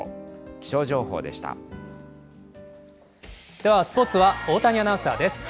ではスポーツは大谷アナウンサーです。